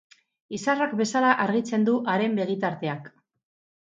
Izarrak bezala argitzen du haren begitarteak.